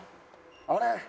あれ？